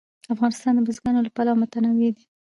افغانستان د بزګان له پلوه متنوع دی.